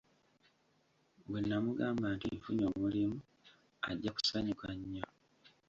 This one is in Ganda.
Bwe namugamba nti nfunye omulimu ajja kusanyuka nnyo!